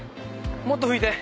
もっと吹いて。